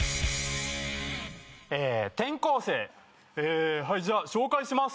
「転校生」「えはいじゃあ紹介します」